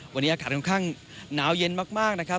วันนี้อากาศค่อนข้างหนาวเย็นมากนะครับ